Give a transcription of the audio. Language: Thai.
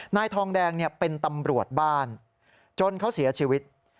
นายทองแดงเป็นตำรวจบ้านจนเขาเสียชีวิต